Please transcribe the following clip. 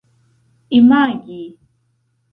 imagi